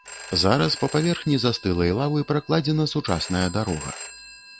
Зараз па паверхні застылай лавы пракладзена сучасная дарога.